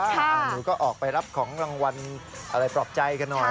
หนูก็ออกไปรับของรางวัลอะไรปลอบใจกันหน่อย